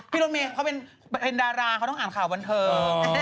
รถเมย์เขาเป็นดาราเขาต้องอ่านข่าวบันเทิง